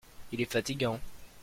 Il est fatigant.